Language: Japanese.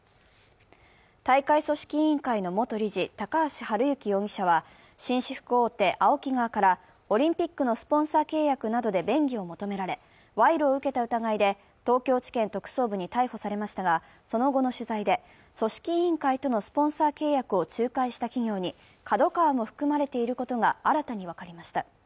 大会組織委員会の元理事・高橋治之容疑者は紳士服大手ＡＯＫＩ側からオリンピックのスポンサー契約などで便宜を求められ、賄賂を受けた疑いで東京地検特捜部に逮捕されましたが、その後の取材で、組織委員会とのスポンサー契約を仲介した企業にＫＡＤＯＫＡＷＡも含まれていることが新たに分かりました。